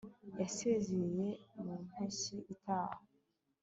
yasezeye mu mpeshyi itaha